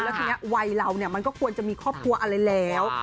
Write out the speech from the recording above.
แล้วทีนี้วัยเรามันก็ควรจะมีครอบครัวอะไรแล้ว